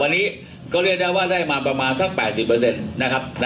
วันนี้ก็เรียกได้ว่าได้มาประมาณสัก๘๐เปอร์เซ็นต์นะครับ